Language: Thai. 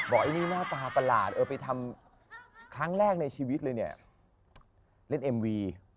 บอกไอ้นี่หน้าตาประหลาดเออไปทำครั้งแรกในชีวิตเลยเนี่ย